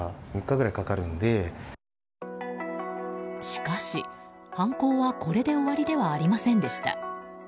しかし、犯行はこれで終わりではありませんでした。